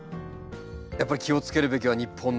やっぱり気をつけるべきは日本の夏。